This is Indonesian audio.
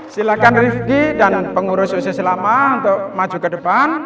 silakan rifqi dan pengurus usis selama untuk maju ke depan